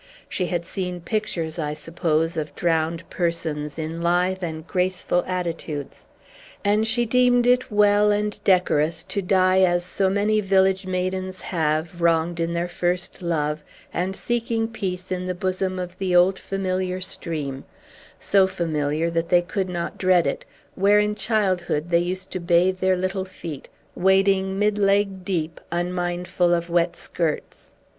She had seen pictures, I suppose, of drowned persons in lithe and graceful attitudes. And she deemed it well and decorous to die as so many village maidens have, wronged in their first love, and seeking peace in the bosom of the old familiar stream, so familiar that they could not dread it, where, in childhood, they used to bathe their little feet, wading mid leg deep, unmindful of wet skirts.